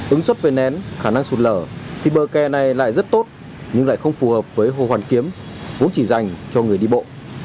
ứng xuất về nén khả năng sụt lở thì bờ kè này lại rất tốt nhưng lại không phù hợp với hồ hoàn kiếm vốn chỉ dành cho người đi bộ